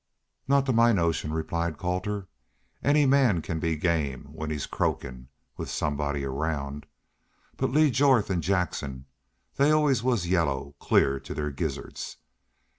"Not to my notion," replied Colter. "Any man can be game when he's croakin', with somebody around.... But Lee Jorth an' Jackson they always was yellow clear to their gizzards.